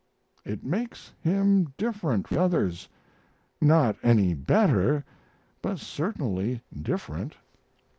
It makes him different from the others not any better, but certainly different.